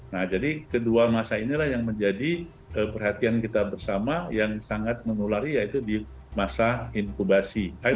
nah jadi kedua masa inilah yang menjadi perhatian kita bersama yang sangat menulari yaitu di masa inkubasi